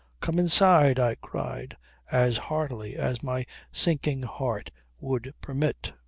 "Come inside," I cried as heartily as my sinking heart would permit.